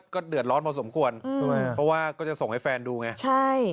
ก็เดือดร้อนพอสมควรเพราะว่าก็จะส่งให้แฟนดูไงใช่